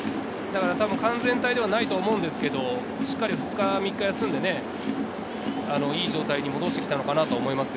完全体ではないと思うんですけど、しっかり２日３日休んで、いい状態に戻してきたのかなと思います。